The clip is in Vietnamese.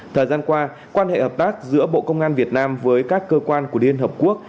thời gian qua quan hệ hợp tác giữa bộ công an việt nam với các cơ quan của liên hợp quốc